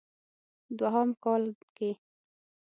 دوهم کال کې